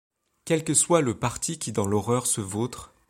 Quel que soit le parti qui dans l'horreur se vautre